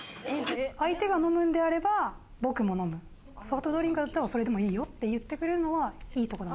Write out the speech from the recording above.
相手が飲むんであれば、僕も飲むソフトドリンクだったら、それでもいいよって言ってくれるのはいいところ。